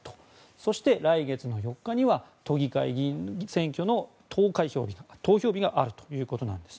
そして来月の４日には都議会議員選挙の投票日があるということです。